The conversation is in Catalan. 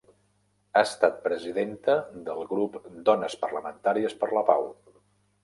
Ha estat presidenta del Grup Dones Parlamentàries per la Pau.